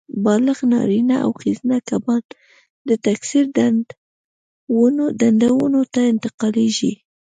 بالغ نارینه او ښځینه کبان د تکثیر ډنډونو ته انتقالېږي.